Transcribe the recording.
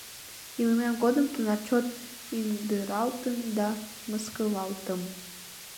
Илымем годым тунар чот индыралтын да мыскылалтым...